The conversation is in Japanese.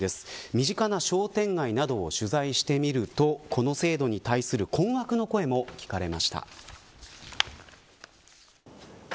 身近な商店街などを取材してみるとこの制度に対する困惑の声も聞かれました。